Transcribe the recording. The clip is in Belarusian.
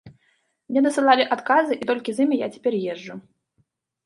Мне дасылалі адказы, і толькі з імі я цяпер езджу.